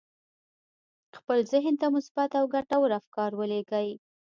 خپل ذهن ته مثبت او ګټور افکار ولېږئ.